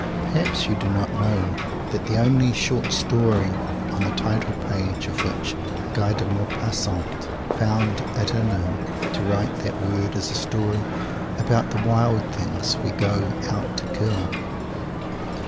Perhaps you do not know that the only "short story" on the title page of which Guy de Maupassant found it in him to write that word is a story about the wild things we go out to kill?